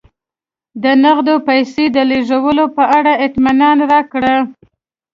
د نغدو پیسو د لېږلو په اړه اطمینان راکړه